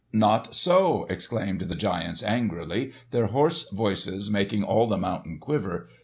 "Not so!" exclaimed the giants angrily, their hoarse voices making all the mountain quiver.